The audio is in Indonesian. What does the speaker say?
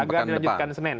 agar dilanjutkan senin